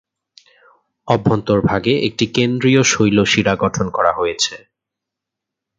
অভ্যন্তরভাগে একটি কেন্দ্রীয় শৈলশিরা গঠন করা হয়েছে।